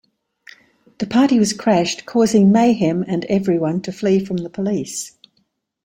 The party was crashed, causing mayhem and everyone to flee from the police.